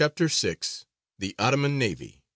VI. THE OTTOMAN NAVY.